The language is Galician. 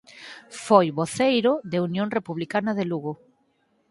Foi voceiro de Unión Republicana de Lugo.